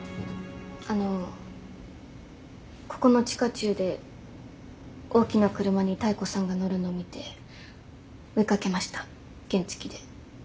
あのここの地下駐で大きな車に妙子さんが乗るの見て追い掛けました原付きで。